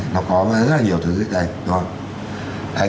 nó có rất là nhiều thứ như thế này